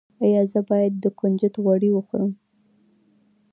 ایا زه باید د کنجد غوړي وخورم؟